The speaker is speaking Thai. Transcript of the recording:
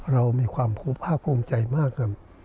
เรามีความภาคภูมิใจมากครับ